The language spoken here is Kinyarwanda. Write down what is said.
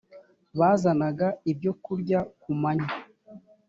bazanaga ibyokurya kumanywa